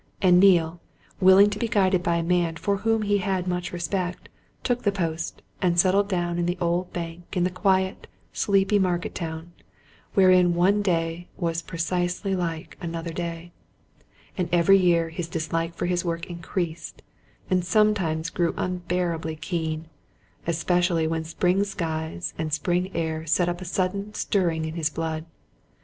And Neale, willing to be guided by a man for whom he had much respect, took the post, and settled down in the old bank in the quiet, sleepy market town, wherein one day was precisely like another day and every year his dislike for his work increased, and sometimes grew unbearably keen, especially when spring skies and spring air set up a sudden stirring in his blood.